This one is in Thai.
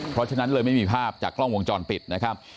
เพราะฉะนั้นเลยไม่มีภาพจากกล้องวงจรปิดนะครับ